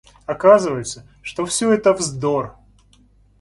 Оказывается, что все это вздор!